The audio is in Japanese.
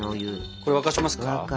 これ沸かしますか？